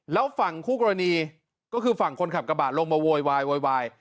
แล้วฝั่งคู่กรณีก็คือฝั่งคนขับกระบะลงมาโวยวายโวยวาย